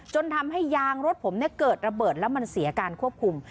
จนทำให้ยางรถผมเกิดระเบิดแล้วมันเสียการควบคุม